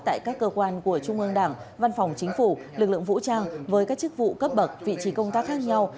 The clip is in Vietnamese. tại các cơ quan của trung ương đảng văn phòng chính phủ lực lượng vũ trang với các chức vụ cấp bậc vị trí công tác khác nhau